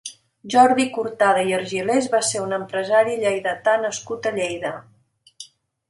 Jordi Cortada i Argilés va ser un empresari lleidatà nascut a Lleida.